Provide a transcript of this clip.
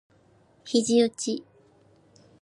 肘うち